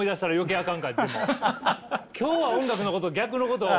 今日は音楽のこと逆のことを。